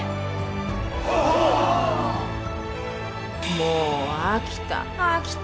もう飽きた。